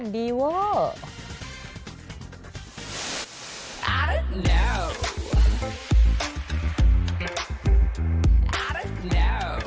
ดีว่ะ